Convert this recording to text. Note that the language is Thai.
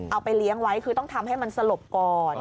เอาไปเลี้ยงไว้คือต้องทำให้มันสลบก่อน